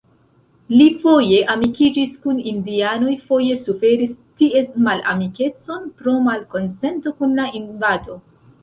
Li foje amikiĝis kun indianoj, foje suferis ties malamikecon pro malkonsento kun la invado.